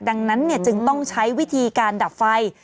ดังนั้นจึงต้องใช้วิธีการดับไฟ